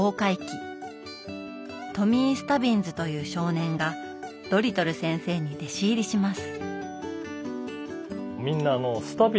トミー・スタビンズという少年がドリトル先生に弟子入りします。